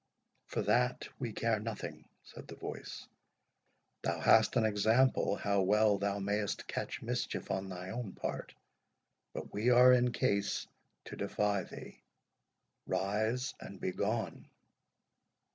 "For that we care nothing," said the voice. "Thou hast an example how well thou mayst catch mischief on thy own part; but we are in case to defy thee. Rise, and begone!"